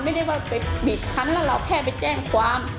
ไม่ได้ว่าไปบีบคันแล้วเราแค่ไปแจ้งความ